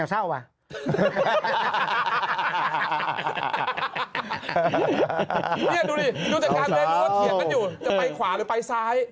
จะไปขวาหรือไปซ้าย